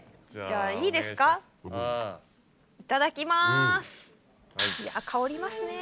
いただきます。